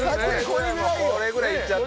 これぐらいいっちゃっていいよ。